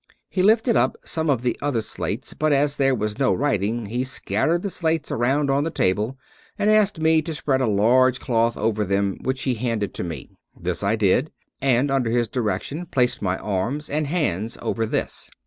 He lifted up some of the other slates; but as there was no writing, he scattered the slates around on the table and asked me to spread a large cloth over them which he handed to me. This I did, and under his direction placed my arms and hands over this.